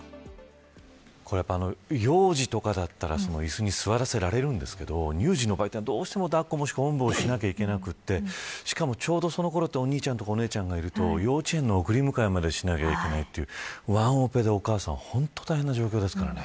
幼児とかだったらいすに座らせられるんですけど乳児の場合は抱っこもしくはおんぶをしなくてはいけなくてちょうどそのころはお兄ちゃんやお姉ちゃんがいると幼稚園の送り迎えをしなきゃいけないとワンオペでお母さん大変な状況です。